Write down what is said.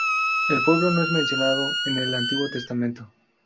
El pueblo no es mencionado en el Antiguo Testamento.